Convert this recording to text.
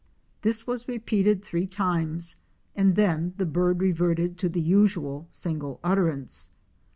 This was repeated three times and then the bird reverted to the usual single utterance.